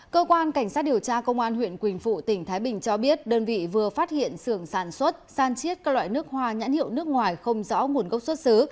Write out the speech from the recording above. cơ quan cảnh sát điều tra công an huyện quỳnh phụ tỉnh thái bình cho biết đơn vị vừa phát hiện sưởng sản xuất san chiết các loại nước hoa nhãn hiệu nước ngoài không rõ nguồn gốc xuất xứ